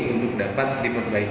untuk dapat diperbaiki